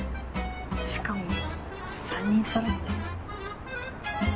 しかも３人揃って。